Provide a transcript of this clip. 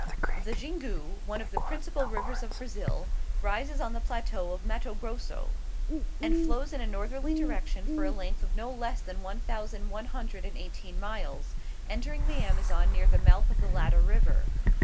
"'The Xingu, one of the principal rivers of Brazil, rises on the plateau of Mato Grosso, and flows in a northerly direction for a length of no less than one thousand one hundred and eighteen miles, entering the Amazon near the mouth of the latter river.